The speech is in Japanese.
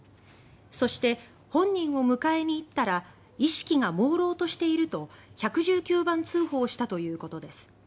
そして「本人を迎えに行ったら意識が朦朧としている」と１１９番通報したということです